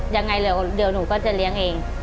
ยังไงเดี๋ยวหนูก็จะเลี้ยงเอง